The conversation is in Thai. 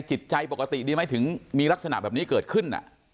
จิตใจปกติดีไหมถึงมีลักษณะแบบนี้เกิดขึ้น